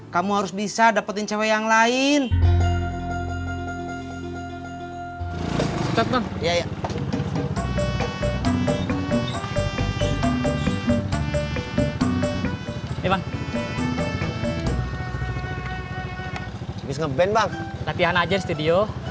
kok tatinya dibagi